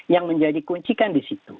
yang menjadi kunci kan disitu